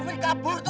aku sudah berpindah